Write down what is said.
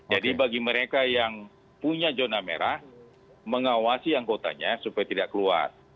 jadi bagi mereka yang punya zona merah mengawasi anggotanya supaya tidak keluar